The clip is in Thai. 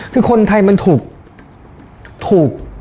คือคนไทยมันถูก